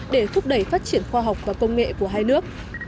để thúc đẩy phát triển khoa học và công nghệ của hai nước